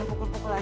racun apaan wan